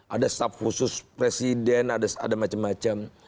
ada staff khusus presiden ada macam macam